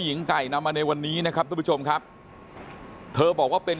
หญิงไก่นำมาในวันนี้นะครับทุกผู้ชมครับเธอบอกว่าเป็น